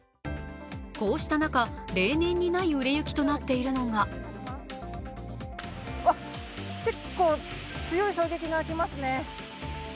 こうした中、例年にない売れ行きとなっているのがうわっ、結構強い衝撃が来ますね。